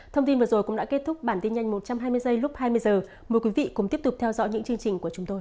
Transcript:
thông tin vừa rồi cũng đã kết thúc bản tin nhanh một trăm hai mươi giây lúc hai mươi h mời quý vị cùng tiếp tục theo dõi những chương trình của chúng tôi